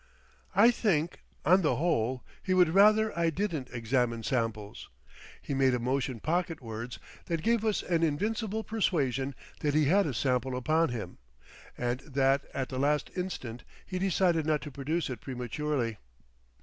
I think, on the whole, he would rather I didn't examine samples. He made a motion pocketwards, that gave us an invincible persuasion that he had a sample upon him, and that at the last instant he decided not to produce it prematurely.